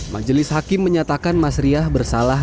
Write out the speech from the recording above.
majelis hakim menyatakan mas riah bersalah